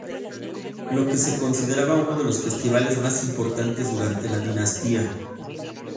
Lo que se consideraba uno de los festivales más importantes durante la dinastía.